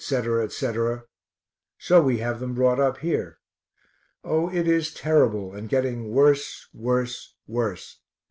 etc. so we have them brought up here. Oh, it is terrible, and getting worse, worse, worse.